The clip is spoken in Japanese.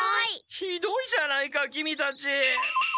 ひどいじゃないかキミたち。